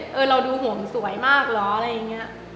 เยอะเราดูห่วงสวยมากเหรอ